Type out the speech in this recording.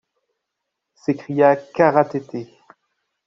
s’écria Kara-Tété.